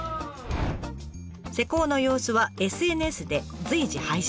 施工の様子はＳＮＳで随時配信。